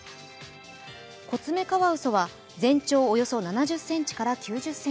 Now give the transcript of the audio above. コツメカワウソは全長およそ７０ｃｍから９０ｃｍ。